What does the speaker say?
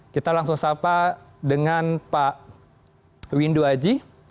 kita langsung sapa dengan pak windu aji